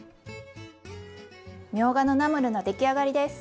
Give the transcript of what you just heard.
みょうがのナムルの出来上がりです。